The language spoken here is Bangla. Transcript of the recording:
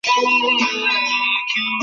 সবকিছু তছনছ হয়ে যাবে।